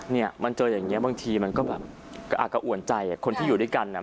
เนี่ยมันเจออย่างเงี้บางทีมันก็แบบกระอ่วนใจอ่ะคนที่อยู่ด้วยกันอ่ะ